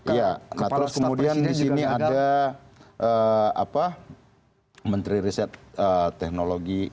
iya nah terus kemudian disini ada menteri riset teknologi